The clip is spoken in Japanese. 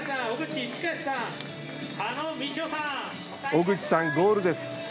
小口さん、ゴールです。